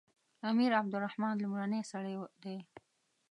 امیر عبدالرحمن لومړنی سړی دی.